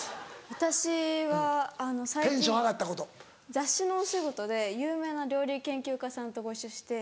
私は最近雑誌のお仕事で有名な料理研究家さんとご一緒して。